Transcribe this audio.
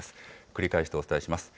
繰り返してお伝えします。